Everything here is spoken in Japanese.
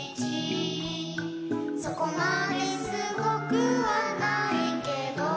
「そこまですごくはないけど」